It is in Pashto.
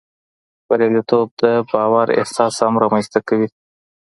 بریالیتوب د باور احساس هم رامنځته کوي.